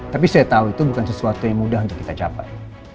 tapi saya tahu itu bukan sesuatu yang mudah untuk kita capai